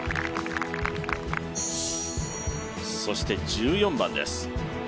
そして１４番です。